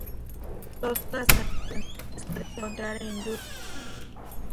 Todas las canciones las puedes encontrar en youtube.